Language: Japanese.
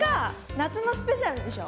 夏のスペシャルでしょ？